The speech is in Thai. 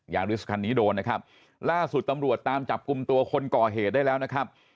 ริสคันนี้โดนนะครับล่าสุดตำรวจตามจับกลุ่มตัวคนก่อเหตุได้แล้วนะครับ